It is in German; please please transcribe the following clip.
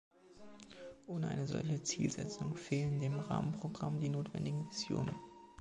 Ohne eine solche Zielsetzung fehlen dem Rahmenprogramm die notwendigen Visionen.